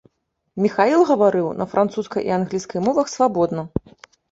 Міхаіл гаварыў на французскай і англійскай мовах свабодна.